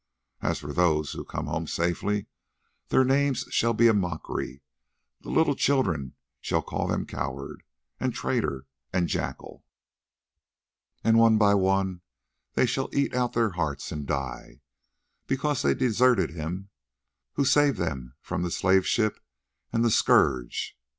As for those who come home safely, their names shall be a mockery, the little children shall call them coward, and traitor and jackal, and one by one they shall eat out their hearts and die, because they deserted him who saved them from the slave ship and the scourge.